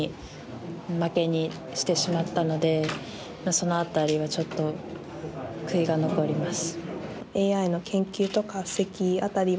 その辺りはちょっと悔いが残ります。